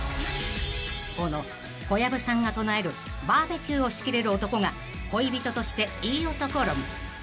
［この小籔さんが唱えるバーベキューを仕切れる男が恋人としていい男論］